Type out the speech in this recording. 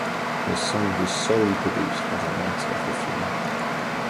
The song was solely produced by the latter of the three.